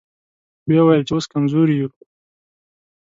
ويې ويل چې اوس کمزوري يو.